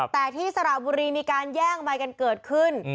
แต่ที่สระบุรีมีการแย่งใบกันเกิดขึ้น